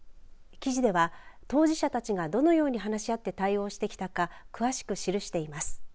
記事では、当事者たちがどのように話し合って対応してきたか詳しく記しています。